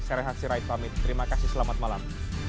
saya rehasi raid pamit terima kasih selamat malam